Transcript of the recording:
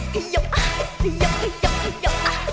คี่ยกอ้าคี่ยกค่ะคี่ยกค่ะคี่ยกอ้า